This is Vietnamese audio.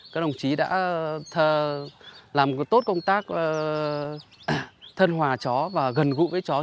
các đồng chí đã làm một tốt công tác thân hòa chó và gần gũi với chó